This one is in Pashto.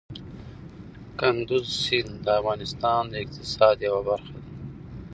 کندز سیند د افغانستان د اقتصاد یوه برخه ده.